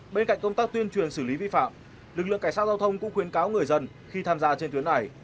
bên cạnh công tác tuyên truyền xử lý vi phạm lực lượng cảnh sát giao thông cũng khuyến cáo người dân khi tham gia trên tuyến này